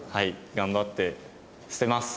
頑張って捨てます。